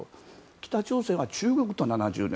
北朝鮮は中国と７０年。